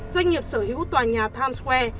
doanh nghiệp sở hữu tòa nhà times square